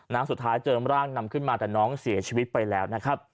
น้างสุดท้ายเจอร่างนำขึ้นมาแต่น้องเสียชีวิตไปแล้ว